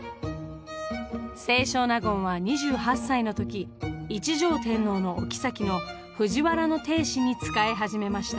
清少納言は２８歳の時一条天皇のお后の藤原定子に仕え始めました。